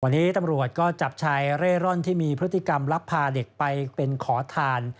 วันนี้ตำรวจก็จับชายเร่ร่อนที่มีพฤติกรรมลักพาเด็กไปเป็นขอทาน